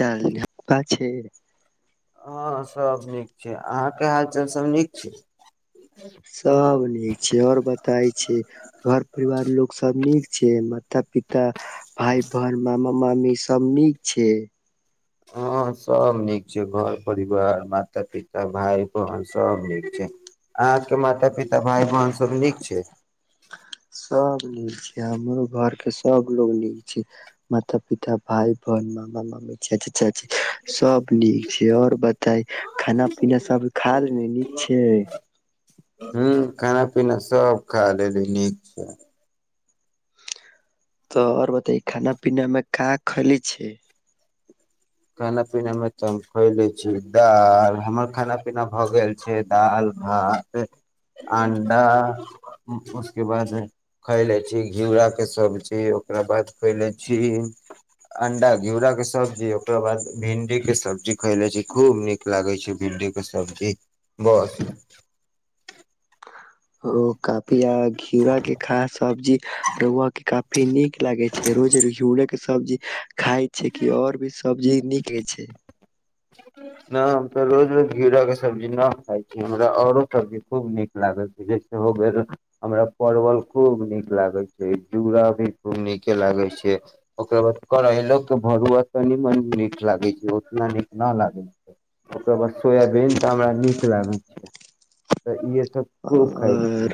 चका छै हँ सब नीक छै अहाँ के हालचाल सब नीक छै सब नीक छै आओर बताय छै घर परिवार लोक सब नीक छै मा ता पिता भाइ बहन मामा मामी सब नीक छै हँ सब नीक छै घर परिवार माता पिता भाय बहन सब नीक छै अहके माता पिता भाइ बहन सब नीक छै सब नीक छै हमरो घर के सबलोग नीक छै माता पिता भाय बहन मामा मामी चाची चाची सब नीक छै आऔर बताई खाना पीना सब खा लेलै नीक छै हँ खाना पीना सब खा लेली नीक छै तऽ आओर बताइ खाना पीनामे का खली छे खाना पीनामे तऽ हम खुए लैत छी दाल हमर खाना पीना भऽ गेल छै दालि भात अणडा उसके बाद खए लै छी घिउराके सब्जी ओकरा बाद खुए ले छी अंडा घिउराके सब्जी ओरा बाद भिंडी के सब्जी खैले छी खूब नीक लागे छैय भिंडी के सब्जी बस ओ काफी आ घिरा के खास सब्जी रुआ के काफी नीक लागै छैय रोजर गिवरे के सब्जी खााय छैय कि और भी सब्जी नीक रहै छैय नहि हम तऽ रोज रोज घीर के सब्जी न खाइ छी हमरा आऔरो सब्जी खूब नीक लागे छैय जैसे हो गेल हमरा परवल खूब नीक लागैत छैय झूरा भी खूब नीके लागे छैय ओकर बाद करैलोक के भरुआ तनि म नीक लागे छैय उतना न न लागल ओकररा बाद सोयाबीन तऽ हमरा नीक खिलाबै छिय तऽ इे सब खाय छी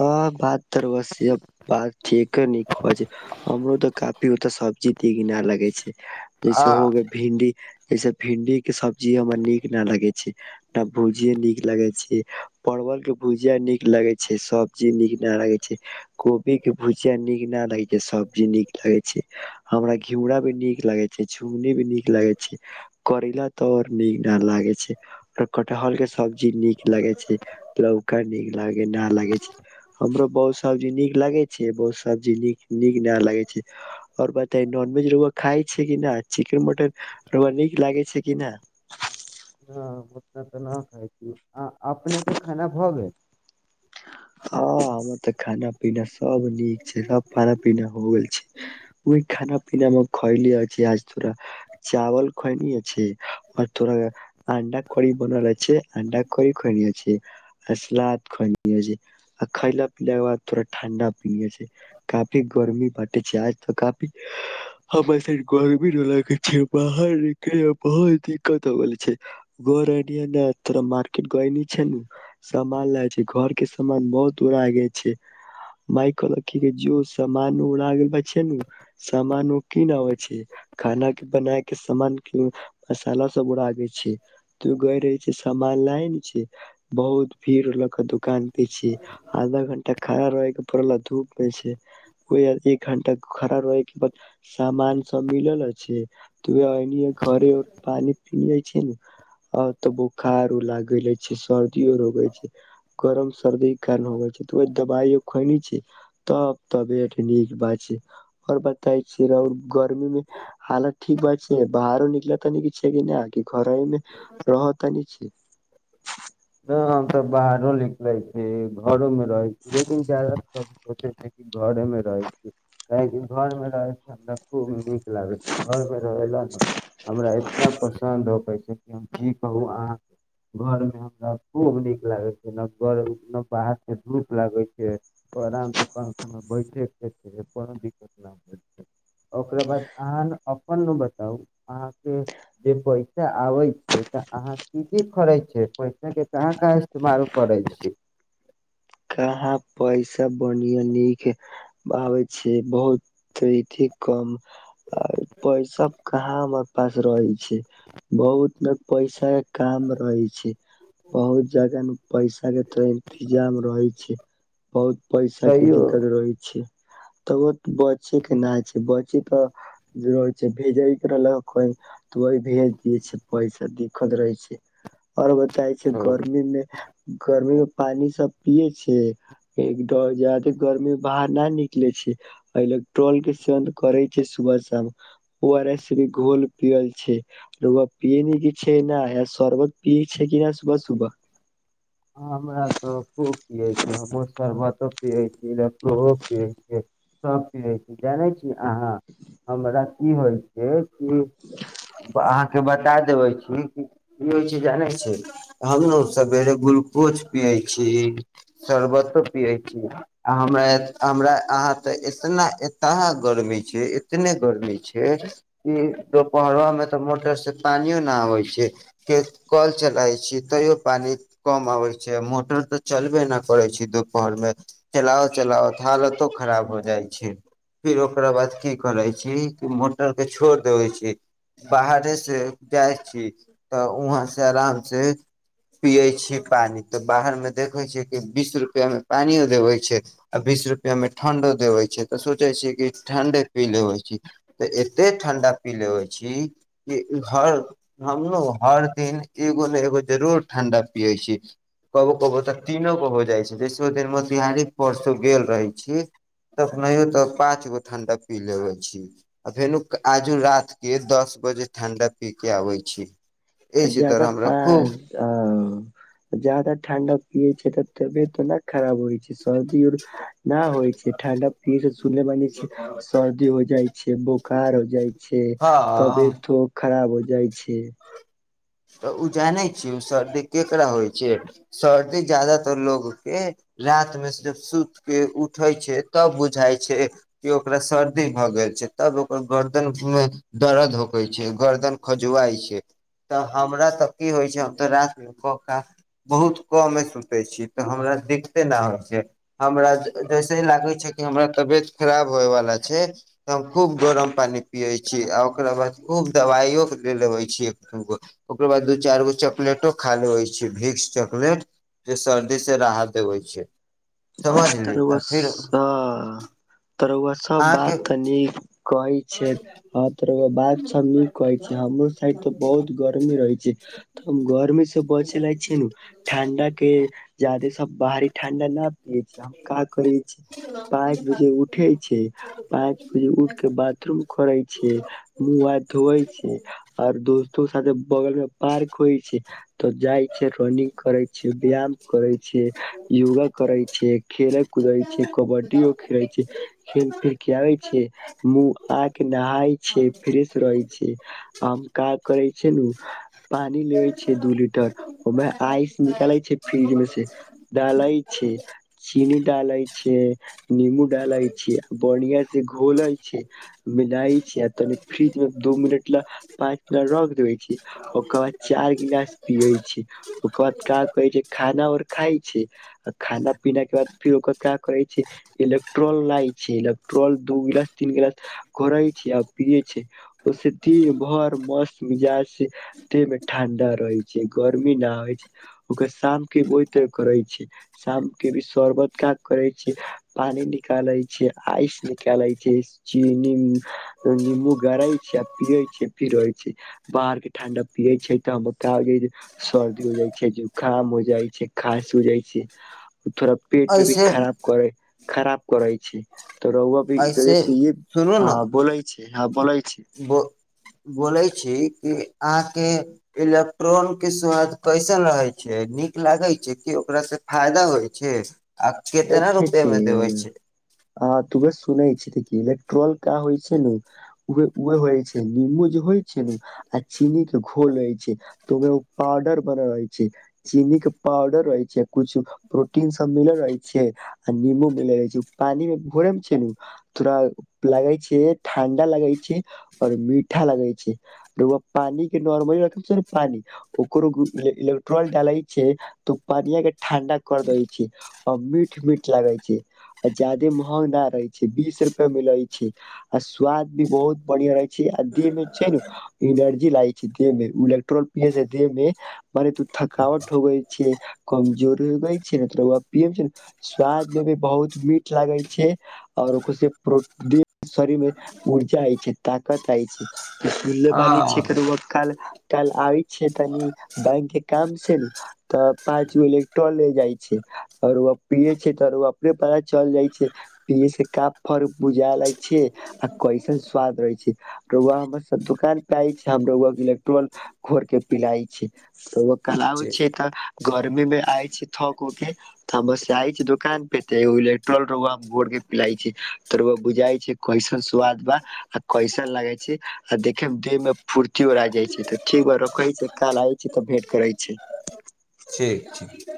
ह भात [unintelligible] जीति गि न लगे छैय जैसे आ होग भिन्डी जसे भिंडी के सब्जी हमरा नीक न लगे छैय न भुजिये नीक लागे छैय परवल के भुजिया नीक लगै छैय सब्जी नीक नहि लागै छैय कोबीके भुजिया नीक नहि लागै छैय सब्जी नीक लागै छैय हमरा घिउरा भी नीक लागै छैय झुङ्गनी भी नीक लागै छैय करैला तर नीक नहि लागै छैय आओ कटहरके सब्जी नीक लागै छैय त नीक लाग ना लागे छैय हमरो बहुत सब्जी नीक लागे छैय बहुत सब्जी न नीक ना लागे छैय आओर बताे नॉनवेज र खााय छैय कि न चिकेन मटन र नीक लागे छैय कि न ह [unintelligible] आ अपनेके खाना भऽ गेल ह त खाना पीना सब नीक छैय सब खाना पीना हो गेल छैय ओहि खाना पिना हम खैली अछि छ चावल खनि अछि तोरा अण्डा करी बनल अच्छे अण्डा करी खायने अछि आ सलाद खुनि आ खायला पीलााक के बाद थोड़ा ठंडा पी काफी गर्मी बाँटे छैय आज तऽ काफी हम सा गरमी ल छैय बाहर न बहुत दिक्कत होर थो मार्केट ग छैय सान लाग घर के सामान बहुत उड़ गे छैय मााय कहलक जो सामान उड़ा गेल छैय न सामान उ कीन आबे छैय खाना के बनाय के सामान मसाला सब उड़ गे छैय तो ग रहे छै सामान ला ने छैय बहुत भीड़ होलक क पी छी आधा घण्टा खड़ा रहे के पड़ल धूप मे से एक घंटा खड़ा रहे के बाद सामान सब मिलल छैय त ए घरेर पानी पिने छैय ने आ तऽ बोखार लागे छैय सर्दी आर होगे छैय गरम सर्दीक के कारण होब छैय तऽ दबाइ ख छैय तब तबियत नीक बात छैय आओर बताै छियर गर्मी मे हालत ठीक बात छैय बाहरो निकल त छैय कि नहि घर मे रहऽ त न छैय ह हम त बाहरो निकले छी घरो मे रह लेकिन जााद क सोचै छी कि घरेमे रहै छी काहेकि घरमे रहै छैय हमरा खूब नीक लागै छैय घरमे रह ला ने हमरा इतना पसन्द होकै छैय कि हम की कहू अहाँके घरमे हम नहि खूब नीक लागै छैय ने गर नहि बाहरसँ धूप लागै छैय ओ आरामसँ पङ्खामे बैठैके कोनो दिक्कत नहि होइ छैय ओकरा बाद अहाँ ने अपन ने बताउ अहाँके जे पैसा आबै छैय तऽ अहाँ की की करै छैय पैस के कहाँ काँ इस्तेमाल करै छी कहाँ पैसा बढ़िया नीक आबै छै बहुत अ कम आ पैसा कहाँ हमर पास रहे छै बहुत ने पैसा काम रहे छै बहुत जगह ने पैसा के तो इंतजाम रहे छै बहुत पैसा के तैयो दिक्कत रहै छै तऽ ओ बचे के नहि छै बचे तऽ छै भेजैके रहलक कोइ तऽ वह भेज दियै छै पैसा दिक्कत रहै छै आओर बताय छै गर्मी मे गर्मी मे पानी सब पीए छै एकद जाादे गर्मी बाहर न निकले छै एहि लग ट्रोल के सेवन करे छै सुबह शाम ओ आर एस भी घोल पियल छै र पियए क छै शरबत पियै छै कि नहि सुबह सुबह हमरा तऽ खू पियै छै हमहूँ शरबतो पियैत छी लको पियै छै सभ पियैत छी जानै छी अहाँ हमरा की होइत छै कि अहाँके बता देबै छी कि की होइत छै जानैत छी हम ने सवेरे गुल कूछ पियै छी शरबतो पियै छी आ हमरा हमरा अहाँ तऽ इतना एतहा गर्मी छै इतने गर्मी छै कि दुपहरामे तऽ मोटरसँ पानिओ नहि आबैत छै के कल चलाै छी तैयो पानि कम अबै छै मोटर तऽ चलबे नहि करै छै दुपहरमे चलाओ चलाओ तऽ हालतो खराब हो जाइ छै फिर ओकरा बाद की करै छी कि मोटरके छोड़ि देबै छी बाहरेसँ जाइ छी तऽ वहाँ से आराम से पियै छी पानि तऽ बाहरमे देखै छियै कि बीस रुपैआमे पानियो देबै छै आ बीस रुपैआमे ठण्डो देबै छै तऽ सोचै छियै कि ठण्डे पी लेबइ छी तऽ एते ठण्डा पी लेबइ छी कि हर हमरो हर दिन एगो ने एगो जरूर ठण्डा पियै छी कबो कबहु तऽ तीनो गो हो जाइ छै बिसो देिन मोतिहारी परसू गेल रहै छी तखनहिो तऽ पाँच गो ठण्डा पी लेबै छी आ फेरो आजू रातिके दस बजे ठण्डा पी कऽ आबै छी तऽ एहि जायदा तरह हमरा खूब पास आउ ज्यादा ठाण्डा पीए छै त तऽबियत न खराब होइ छै सर्दीर उर न होइ छै ठणडा पी स सुनने वानी छी सर्दी हो जाइ छै बोखार हो जाइ छै हँ तबियतो खराब हो जाइ छ तऽ ओ जानै छियै ओ सर्दी ककरा होइ छै सर्दी जादातर लोकके राातमे सिर्फ सुति कऽ उठै छै तब बुझाइ छै कि ओकरा सर्दी भऽ गेल छै तब ओकर गरदनमे दर्द होकै छै गरदन खजुआइ छै तऽ हमरा तऽ की होइ छै हम तऽ राातमे कका बहुत कमे सुतै छी तऽ हमरा दिक्कते नहि होइ छै हमरा जैसे ही लागै छै कि हमरा तबियत खराब होइवला छै तऽ हम खूब गरम पानि पियै छी आ ओकरा बाद खूब दबाइयओे ले लबै छिय दु गो ओकर बाद दू चार गो चॉकलेटो खा लेबे छी भिक्स चॉकलेट जे सर्दी स राहत देबे छै त समझली रउआ आ स फिर त रउआ सब बात अहाँके तनीक कहै छै ह तोर बात सब नीक कहै छै हमरो साइड तऽ बहुत गर्मी रहे छै तऽ हम गर्मी से बचय ले छी ने ठंडा के जा्यादे सब बाहरी ठंडा न पिय छै हम हमरा कहै छै पाँच बजे उठे छै पाँच बजे उठ के बाद बाथरूम खोरे छै मुह हाथ धोवै छै आऔर दोस्तो साथ बगल मे पार्क होइ छै तऽ जाइ छै रनिंग करे छै व्यायाम करे छै योगा करे छै खेले कूदे छै कबड्डीयो खेले छै खेल फिर आबेय छिय मुह आ के नहााय छिय फ्रेश रहे छै आ काज करे छै नु पानी लेबे छै दू लीटर ओहिमे आइस निकाले छै फ्रिज मे से डाले छै चीनी डालै छै निबू डाले छी बढ़िया से घोले छी मिलय छी आ तनि फ्रिज मे दू मिनट ल पाच मिनट रख देबे छी ओकर बाद चार गिलास पियै छी ओकर बाद का कहै छै खाना आओर खााय छै त खानप पीनाके बाद फेर ओकर काकरे छै इलेक्ट्रॉन लाइट छि इलेकट्रोल दू गिलास तीन गिलास घोरइ छी आ पिए छी ओ से दिन भर मस्त मिजाज से दे मे ठंडा रहै छै गर्मी ना होइ छै ओकर शाम के ओइत करै छै शाम के भी शर्बत काज करै छियै पानि निकालै छियै आइस निकालै छी चीनी निम्बू गड़ै छीये आ पियै छी फिरै छी बाहरके ठण्डा पियै छी तऽ हमरा बुखार होजेय छै सर्दी हो जाइ छै जुकाम हो जाइ छै खाँसी हो जाइ छै थोड़ा पेट मे भी ऐसे खराब करै खराब करै छै तऽ रउआ भी ऐसे रौआस इहे आ बोलै छै हँ बोलेत बो बोलै छी कि अहाँके इलेक्ट्रॉनक के स्वाद कैसन रहै छै नीक लागै छै कि ओकरा से फायदा होइ छै आ केतना देखै रुपआ छी मे देबै छै आहा त उहे सुने छी देख इलेक्ट्रोल का होय छै नू उहे उहे होय छै नीमबू जे होइ छै नू आ चीनी के घोल रहय छै त ओमे पाउडर बनल रहे छै चीनी के पाउडर रहै छै कुछु प्रोटीन सब मिलल रहै छै छियै आ निबू भि ले जाय छियै पानी मे घोरैयम छियै नु थोड़ा लगे छै ठंडा लगे छै और मीठा लगे छै रैआ पानी के नॉर्मल रखै छै पानी ओकरो इलेक्ट्रोल डाले छीये तऽ पानिया के ठंडा कर दे छिये मीट मीठ लागे छै आ जादे महंगा रहे छै बीस रुपए मिले छै आ स्वाद भी बहुत बढ़िया रहे छै आ एमे छ नु एनर्जी लागै छै देह मे इलेक्ट्रोल पिय से देह मे मने तू थकावट होगई छै कमजोर हो गई छै ने त रौआ प छै स्वाद मे भी बहुत मीठ लागे छै और ओकरो प्रो शरीर मे ऊर्जा आय छै ताकत आय छै मुल बानी छै कर हँ व काल काल आ छै तनी बैंके काम से नु तऽ पाँचगो इलेक्ट्रोन लै जाइ छै रौआ पिये छै त रआ अपने पता चल जाइ छै पियए से का फर्क बुझा ला छै आ कैसन स्वाद रहै छै रोआ हमर सब दुकान पे आय छै हम रोआ के इलेक्ट्रोल घोर के पिलई छै रोआ कल आबै ठीक छै तऽ गर्मी मे आय छै थक उके हम आय छी दुोकान पे ते एगो इलेक्ट्रोल भोर के पिलााय छी त रौआ बुझाय छै कैसन स्वाद बा आ कैसन लागे छै आ देखे मे देह मे फूर्तियो अर आ जाइ छै त ठीक बा रखै छै काल आइ छी तऽ भेट करै छी ठीक ठीक ठीक